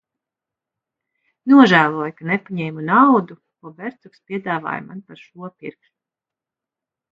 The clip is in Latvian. Nožēloju, ka nepaņēmu naudu, ko Bercuks piedāvāja man par šo pirkšanu.